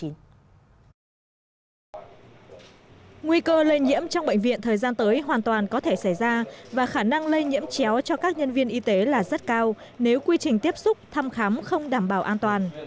nguy cơ lây nhiễm trong bệnh viện thời gian tới hoàn toàn có thể xảy ra và khả năng lây nhiễm chéo cho các nhân viên y tế là rất cao nếu quy trình tiếp xúc thăm khám không đảm bảo an toàn